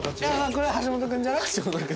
これは橋本君じゃない？